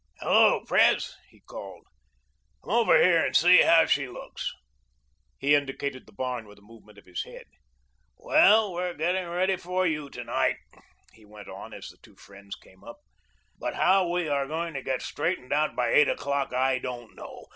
"Hello, Pres," he called. "Come over here and see how she looks;" he indicated the barn with a movement of his head. "Well, we're getting ready for you tonight," he went on as the two friends came up. "But how we are going to get straightened out by eight o'clock I don't know.